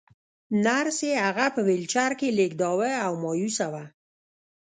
نرسې هغه په ويلچر کې لېږداوه او مايوسه وه.